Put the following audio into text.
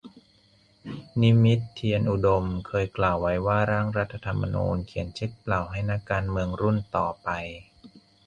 นิมิต เทียนอุดม เคยกล่าวไว้ว่า ร่างรัฐธรรมนูญ เขียนเช็คเปล่าให้นักการเมืองรุ่นต่อไป